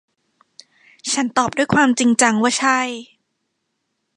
ฉันตอบด้วยความจริงจังว่า ใช่